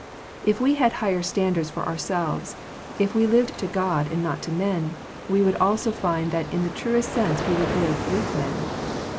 If we had higher standards for our selves, if we lived to God and not to men, we would also find that in the truest sense we would live with men.